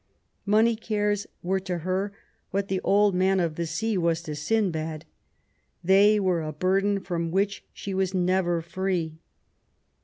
Money cares were to her what the Old Man of the Sea was to Sindbad. They were a burden from which she was never free.